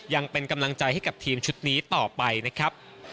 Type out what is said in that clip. ยังเป็นกำลังใจให้กับทีมชุดนี้ต่อไปนะครับ